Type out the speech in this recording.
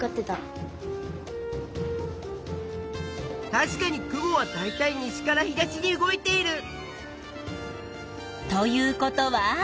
たしかに雲はだいたい西から東に動いている！ということは？